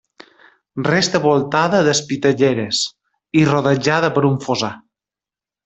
Resta voltada d'espitlleres i rodejada per un fossar.